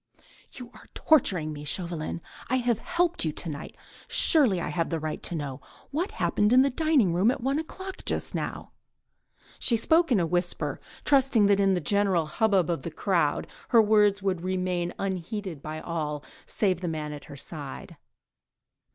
"You are torturing me, Chauvelin. I have helped you to night ... surely I have the right to know. What happened in the dining room at one o'clock just now?" She spoke in a whisper, trusting that in the general hubbub of the crowd her words would remain unheeded by all, save the man at her side.